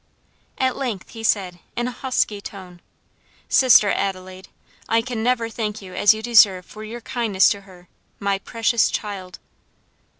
At length he said, in a husky tone, "Sister Adelaide, I can never thank you as you deserve for your kindness to her my precious child."